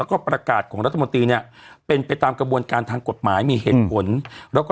แล้วก็ประกาศของรัฐมนตรีเนี่ยเป็นไปตามกระบวนการทางกฎหมายมีเหตุผลแล้วก็